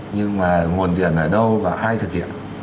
nhưng mà nguồn điện ở đâu và ai thực hiện